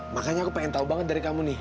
makanya aku pengen tahu banget dari kamu nih